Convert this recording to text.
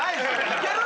いける？